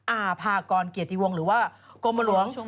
อาภากรเกียรติวงศ์หรือว่ากรมหลวง